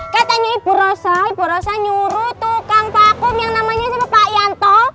katanya ibu rosa ibu rosa nyuruh tukang vakum yang namanya sama pak yanto